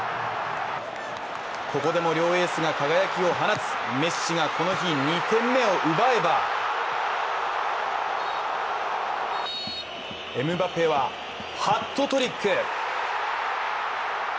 ここでも、両エースが輝きを放つメッシがこの日２点目を奪えばエムバペはハットトリック。